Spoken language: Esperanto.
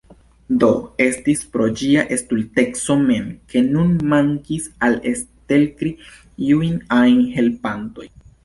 Do, estis pro ĝia stulteco mem ke nun mankis al Stelkri iuj ajn helpantoj.